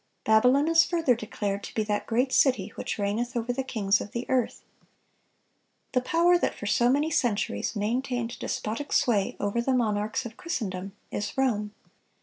Babylon is further declared to be "that great city, which reigneth over the kings of the earth."(628) The power that for so many centuries maintained despotic sway over the monarchs of Christendom, is Rome.